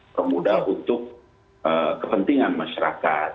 memudah untuk kepentingan masyarakat